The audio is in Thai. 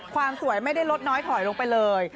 ความสวยไม่ได้ลดน้อยถอยลงไปเลย